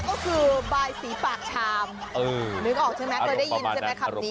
ก็คือบายสีปากชามนึกออกใช่ไหมเคยได้ยินใช่ไหมคำนี้